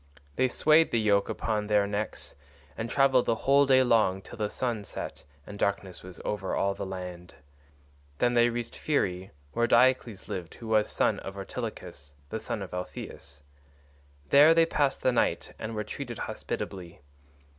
They swayed the yoke upon their necks and travelled the whole day long till the sun set and darkness was over all the land. Then they reached Pherae, where Diocles lived who was son of Ortilochus, the son of Alpheus. There they passed the night and were treated hospitably.